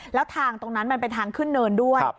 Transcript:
แล้วทางตรงนั้นมันเป็นทางขึ้นเนินด้วย